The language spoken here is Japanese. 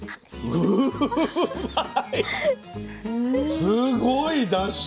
すごいだし。